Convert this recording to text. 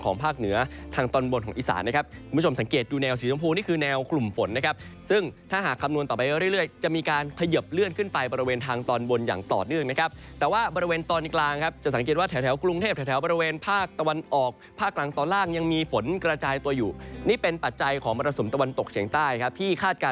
แนวสีชมพูนี่คือแนวกลุ่มฝนนะครับซึ่งถ้าหากคำนวณต่อไปเรื่อยจะมีการขยบเลื่อนขึ้นไปบริเวณทางตอนบนอย่างต่อเนื่องนะครับแต่ว่าบริเวณตอนกลางครับจะสังเกตว่าแถวกรุงเทพแถวบริเวณภาคตะวันออกภาคกลางตอนล่างยังมีฝนกระจายตัวอยู่นี่เป็นปัจจัยของมรสมตะวันตกเฉียงใต้ครับที่คา